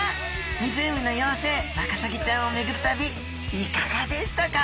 湖の妖精ワカサギちゃんをめぐる旅いかがでしたか？